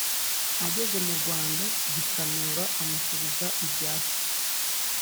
ageze mu rwanda, gisanura amusubiza ibya se.